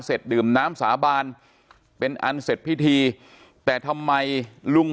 ดื่มน้ำสาบานเป็นอันเสร็จพิธีแต่ทำไมลุง